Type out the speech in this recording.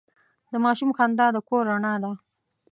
د ماشوم خندا د کور رڼا ده.